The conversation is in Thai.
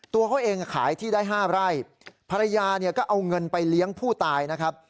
ตัวเขาเองขายที่ได้๕ไร่ภรรยาเนี่ยก็เอาเงินไปเลี้ยงผู้ตายนะครับ